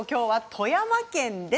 富山県です。